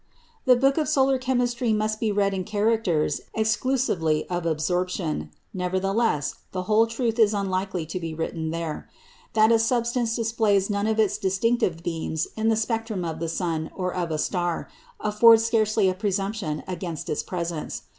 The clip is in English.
The book of solar chemistry must be read in characters exclusively of absorption. Nevertheless, the whole truth is unlikely to be written there. That a substance displays none of its distinctive beams in the spectrum of the sun or of a star, affords scarcely a presumption against its presence.